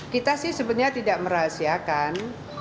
kita sih sebenarnya tidak merahasiakan